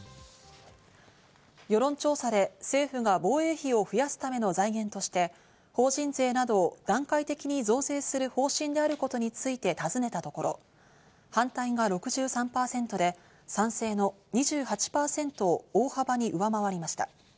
世論調査で政府が防衛費を増やすための財源として法人税などを段階的に増税する方針であることについて尋ねたところ、反対が６３％で、賛成の２８％を大幅に上回りました。